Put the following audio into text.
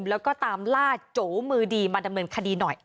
แล้วก็ตามล่าโจมือดีมาดำเนินคดีหน่อย